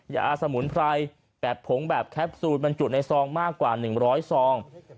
ยาสมุนไพรแบบผงแบบแคปซูลบรรจุในซองมากกว่า๑๐๐ซอง